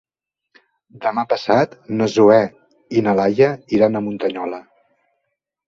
Demà passat na Zoè i na Laia iran a Muntanyola.